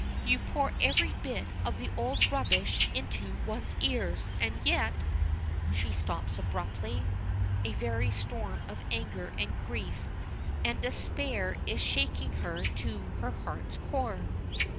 You pour every bit of the old rubbish into one's ears, and yet " She stops abruptly. A very storm of anger and grief and despair is shaking her to her heart's core.